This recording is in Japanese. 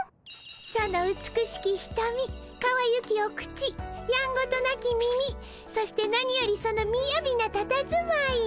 その美しきひとみかわゆきお口やんごとなき耳そして何よりそのみやびなたたずまい。